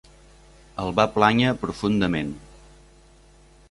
El va plànyer profundament.